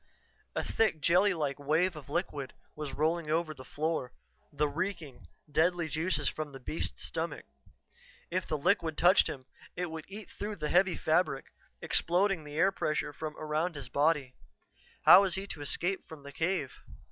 A thick jelly like wave of liquid was rolling over the floor the reeking, deadly juices from the beast's stomach. If the liquid touched him, it would eat through the heavy fabric, exploding the air pressure from around his body. How was he to escape from the cave?